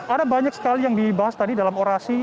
ada banyak sekali yang dibahas tadi dalam orasi